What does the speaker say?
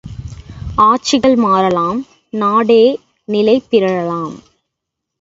ஆட்சிகள் மாறலாம், நாடே நிலை பிறழலாம்.